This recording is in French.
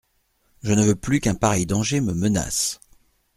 Je ne veux plus qu'un pareil danger me menace.